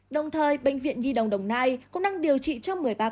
đồng thời bệnh viện nhi đồng đồng nai cũng đang điều trị trong một mươi ba ca